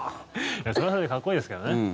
それはそれでかっこいいですけどね。